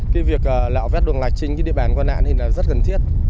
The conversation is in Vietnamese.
cái việc lạo vét luồng lạch trên địa bàn quan lạn thì rất gần thiết